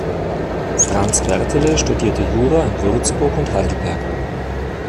Franz Bertele studierte Jura in Würzburg und Heidelberg.